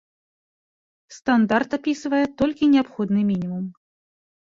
Стандарт апісвае толькі неабходны мінімум.